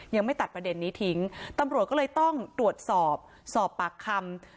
ยังไม่ตัดประเด็นนี้ทิ้งตำรวจก็เลยต้องตรวจสอบสอบปากคำ